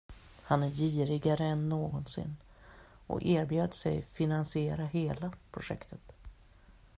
Han är girigare än någonsin, och erbjöd sig finansiera hela projektet.